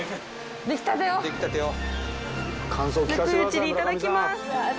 ぬくいうちにいただきます。